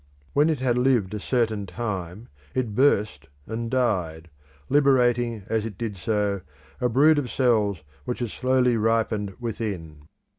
When it had lived a certain time it burst and died, liberating, as it did so, a brood of cells which had slowly ripened within.